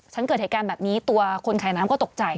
ฉันเกิดเหตุการณ์แบบนี้ตัวคนขายน้ำก็ตกใจ